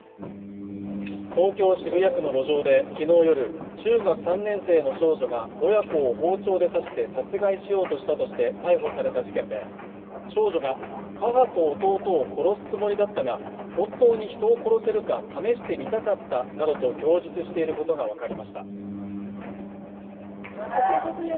東京・渋谷区の路上で昨日夜、中学３年生の少女が親子を包丁で刺して殺害しようとして逮捕された事件で少女が母と弟を殺すつもりだったが本当に人を殺せるか試してみたかったなどと供述していることが分かりました。